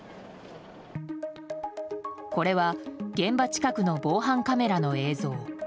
これは現場近くの防犯カメラの映像。